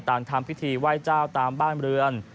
ต่างทำพิธีว่ายเจ้าตามบ้านเรือน